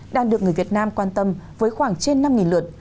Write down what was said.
đang được người việt nam quan tâm với khoảng trên năm lượt